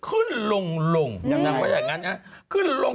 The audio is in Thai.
อุ๊ยแล้วไงยังไงขึ้นลง